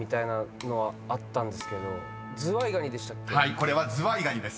これはズワイガニです］